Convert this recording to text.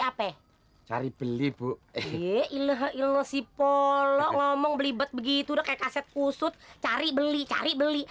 apa cari beli bu iya ilah ilah sipol ngomong beli bet begitu deh kaset kusut cari beli beli